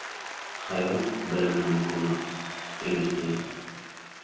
Xayol bilimdan muhimroq. Eynshteyn